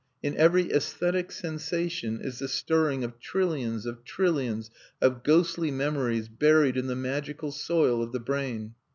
In every aesthetic sensation is the stirring of trillions of trillions of ghostly memories buried in the magical soil of the brain.